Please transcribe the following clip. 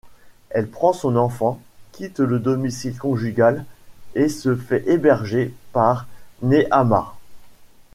Elle prend son enfant, quitte le domicile conjugal, et se fait héberger par Nehama.